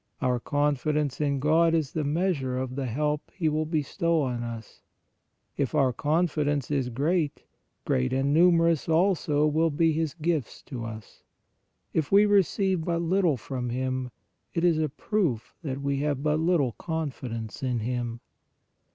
Our confidence in God is the measure of the help He will bestow on us; if our confidence is great, great and numerous also will be His gifts to us. If we re ceive but little from Hfm, it is a proof that we have but little confidence in Him.